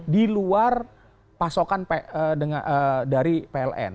di luar pasokan dari pln